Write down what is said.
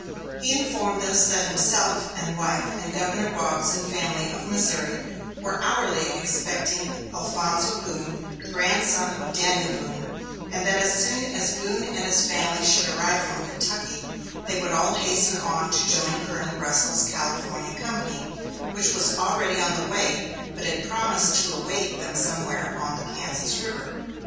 He informed us that himself and wife and ex Governor Boggs and family, of Missouri, were hourly expecting Alphonso Boone, grandson of Daniel Boone; and that as soon as Boone and his family should arrive from Kentucky, they would all hasten on to join Colonel Russell's California company, which was already on the way, but had promised to await them somewhere on the Kansas River.